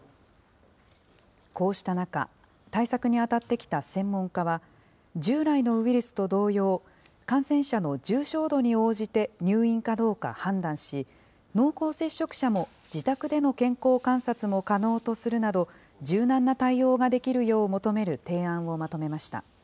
こうした中、対策に当たってきた専門家は、従来のウイルスと同様、感染者の重症度に応じて入院かどうか判断し、濃厚接触者も自宅での健康観察も可能とするなど、柔軟な対応ができるよう求める提案をまとめました。